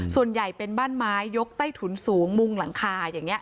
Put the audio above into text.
ส่วนใหญ่เป็นบ้านไม้ยกใต้ถุนสูงมุงหลังคาอย่างนี้